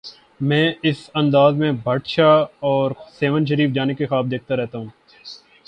میں اس انداز میں بھٹ شاہ اور سہون شریف جانے کے خواب دیکھتا رہتا ہوں۔